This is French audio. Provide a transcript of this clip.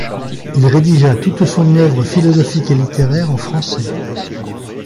Il rédigea toute son œuvre philosophique et littéraire en français.